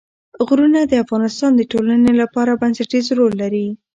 غرونه د افغانستان د ټولنې لپاره بنسټيز رول لري.